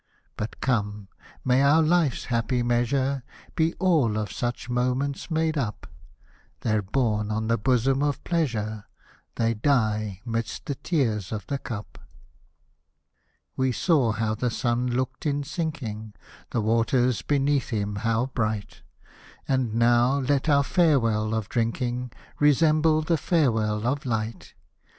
But come, — may our life's happy measure Be all of such moments made up ; They're born on the bosom of Pleasure, They die 'midst the tears of the cup. Hosted by Google 28 IRISH MELODIES We saw how the sun looked in sinking, The waters beneath him how bright ; And now, let our farewell of drinking Resemble that farewell of light.